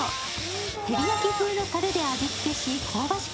照焼き風のたれで味付けし香ばしく